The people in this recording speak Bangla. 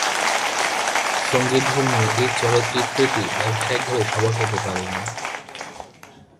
সঙ্গীতধর্মী এই চলচ্চিত্রটি ব্যবসায়িকভাবে সফল হতে পারেনি।